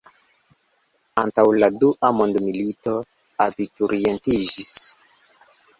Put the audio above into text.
Antaŭ la dua mondmilito abiturientiĝis.